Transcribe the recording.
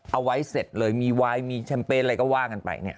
เอาไว้เสร็จเลยมีวายมีแชมเปญอะไรก็ว่ากันไปเนี่ย